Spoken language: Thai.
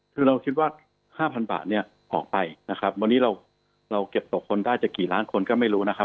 คือเราคิดว่า๕๐๐บาทเนี่ยออกไปนะครับวันนี้เราเราเก็บตกคนได้จะกี่ล้านคนก็ไม่รู้นะครับ